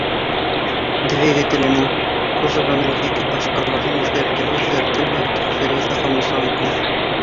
Двигателенең, кузовының йәки башҡаларҙың үҙгәртелеү-үҙгәртелмәүен тикшереү ҙә ҡамасау итмәҫ.